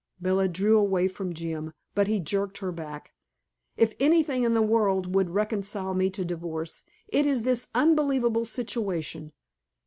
Bella drew away from Jim, but he jerked her back. "If anything in the world would reconcile me to divorce, it is this unbelievable situation.